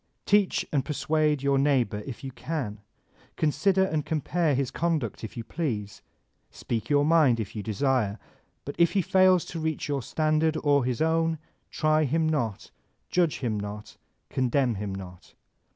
Teach and persuade your neighbor if you can; consider and compare his conduct if you please; speak your mind if you desire; but if he faib to reach your standard or his own, try him not, judge him not, condemn him not.